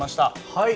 はい。